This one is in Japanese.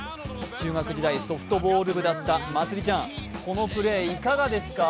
中学時代ソフトボール部だったまつりちゃん、このプレーいかがですか？